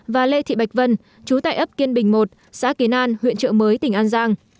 và lê thị bạch vân chú tại ấp kiên bình một xã kiến an huyện trợ mới tỉnh an giang